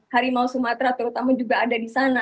harimau sumatera terutama juga ada di sana